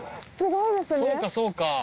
そうかそうか。